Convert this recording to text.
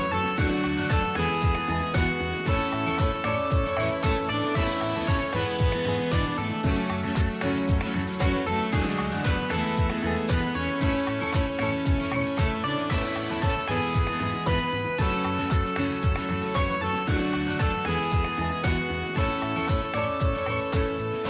โปรดติดตามตอนต่อไป